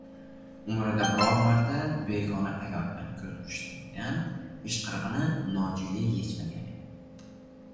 Umrida birorta begona ayol bilan ko‘z urishtirmagan, ishqirig‘ini nojo‘ya yechmagan edi